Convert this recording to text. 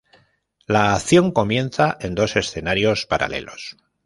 La acción comienza en dos escenarios paralelos.